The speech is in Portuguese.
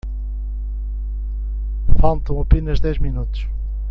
Faltam apenas dez minutos